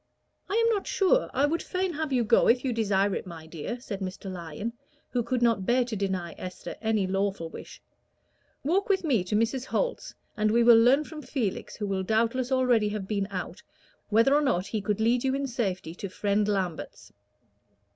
"I am not sure, I would fain have you go if you desire it, my dear," said Mr. Lyon, who could not bear to deny Esther any lawful wish. "Walk with me to Mrs. Holt's, and we will learn from Felix, who will doubtless already have been out, whether or not he could lead you in safety to Friend Lambert's."